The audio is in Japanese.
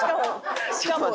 しかも。